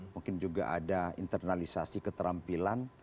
mungkin juga ada internalisasi keterampilan